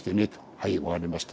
「はい分かりました」。